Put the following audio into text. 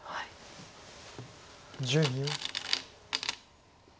１０秒。